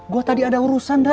gue tadi ada urusan dah